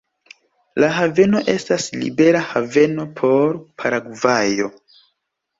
La haveno estas libera haveno por Paragvajo.